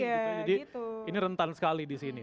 jadi ini rentan sekali di sini